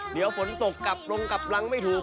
เดี๋ยวฝนตกกลับลงกลับรังไม่ถูก